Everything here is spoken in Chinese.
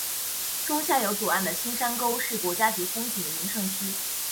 中下游左岸的青山沟是国家级风景名胜区。